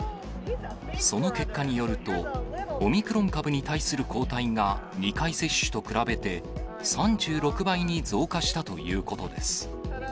その結果によると、オミクロン株に対する抗体が、２回接種と比べて３６倍に増加したということです。